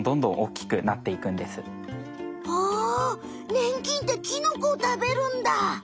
ねん菌ってキノコを食べるんだ！